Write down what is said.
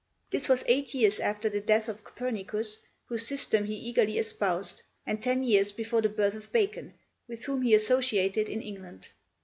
This was eight years after the death of Copernicus, whose system he eagerly espoused, and ten years before the birth of Bacon, with whom he associated in England.